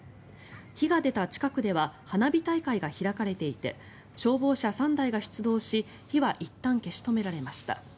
火が出た近くでは花火大会が開かれていて消防車３台が出動し、火はいったん消し止められました。